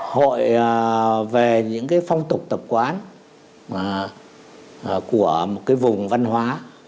hội về những cái phong tục tập quán của một cái vùng văn hóa